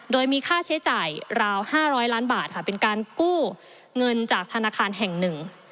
โดยมีค่าใช้จ่ายราว๕๐๐ล้านบาทค่ะเป็นการกู้เงินจากธนาคารแห่งหนึ่ง